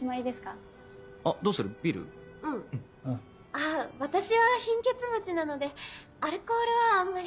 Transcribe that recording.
あっ私は貧血持ちなのでアルコールはあんまり。